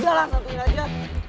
udah lah santuin aja